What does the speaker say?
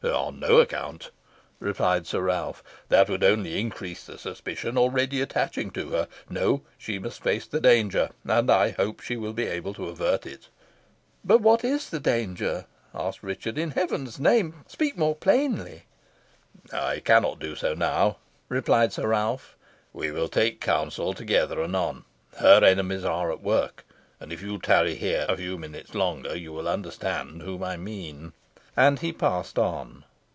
"On no account," replied Sir Ralph; "that would only increase the suspicion already attaching to her. No; she must face the danger, and I hope will be able to avert it." "But what is the danger?" asked Richard. "In Heaven's name, speak more plainly." "I cannot do so now," replied Sir Ralph. "We will take counsel together anon. Her enemies are at work; and, if you tarry here a few minutes longer, you will understand whom I mean." And he passed on.